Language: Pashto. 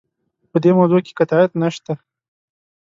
په دې موضوع کې قطعیت نشته.